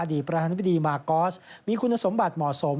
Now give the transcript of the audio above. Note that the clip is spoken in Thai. ประธานธิบดีมากอสมีคุณสมบัติเหมาะสม